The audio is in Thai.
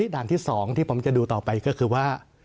ด่านที่๒ที่ผมจะดูต่อไปก็คือว่า